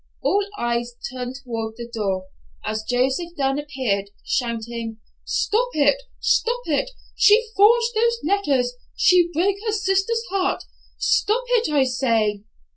All eyes turned toward the door, as Joseph Dunn appeared, shouting, "Stop it! Stop it! She forged those letters. She broke her sister's heart. Stop it, I say!"